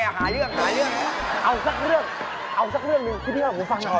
เออเอาเรื่องแหละ